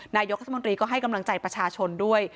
นายกรัฐมนตรีก็ให้กำลังใจประชาชนด้วย